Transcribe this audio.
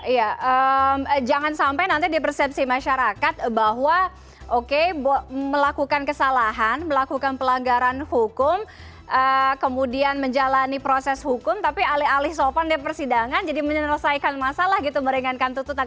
iya jangan sampai nanti di persepsi masyarakat bahwa oke melakukan kesalahan melakukan pelanggaran hukum kemudian menjalani proses hukum tapi alih alih sopan di persidangan jadi menyelesaikan masalah gitu meringankan tuntutan